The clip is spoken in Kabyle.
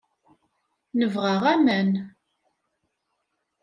Nebɣa aman.